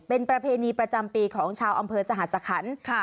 เป็นประเพณีประจำปีของชาวอำเภอสหรัฐสะขันต์ค่ะ